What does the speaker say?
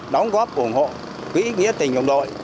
đóng góp ủng hộ quỹ nghĩa tình đồng đội